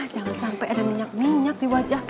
jangan sampai ada minyak minyak di wajah kita